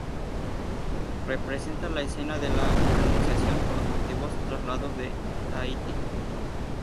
Representa la escena de la Anunciación con los motivos trasladados a Tahití.